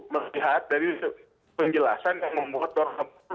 melihat dari penjelasan yang nomor dua puluh